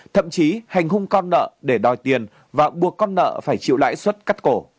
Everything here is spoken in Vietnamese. thậm chí hành hung con nợ để đòi tiền và buộc con nợ phải chịu lãi suất cắt cổ